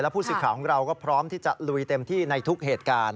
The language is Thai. ผู้สื่อข่าวของเราก็พร้อมที่จะลุยเต็มที่ในทุกเหตุการณ์